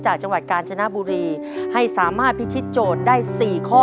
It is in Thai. จังหวัดกาญจนบุรีให้สามารถพิชิตโจทย์ได้๔ข้อ